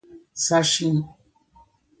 Xaxim